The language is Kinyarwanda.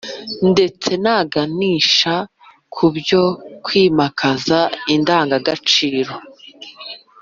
ndetse na ganisha ku byo kwimakaza indangangaciro